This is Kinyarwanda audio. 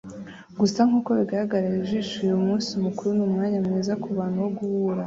Gusa nk’uko bigaragarira ijisho uyu munsi mukuru ni umwanya mwiza ku bantu wo guhura